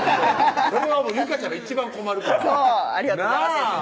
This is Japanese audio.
それは有果ちゃんが一番困るからそうありがとうございます